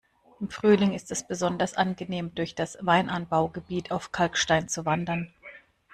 Im Frühling ist es besonders angenehm durch das Weinanbaugebiet auf Kalkstein zu wandern.